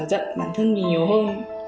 giận bản thân mình nhiều hơn